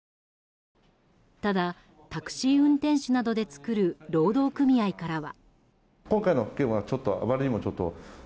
ただ、タクシー運転手などで作る労働組合からは。